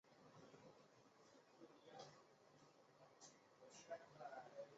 高松伸建筑设计事务所主持建筑师。